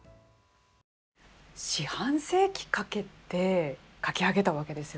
四半世紀かけて書き上げたわけですよね。